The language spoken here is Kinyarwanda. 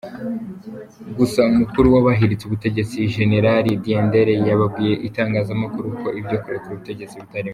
Gusa umukuru w’abahiritse ubutegetsi Jenerali Diendere, yababwiye itangazamakuru ko ibyo kurekura ubutegetsi bitarimo.